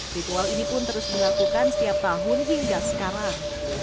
ritual ini pun terus dilakukan setiap tahun hingga sekarang